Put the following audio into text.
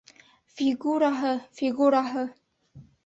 Фигураһы, фигураһы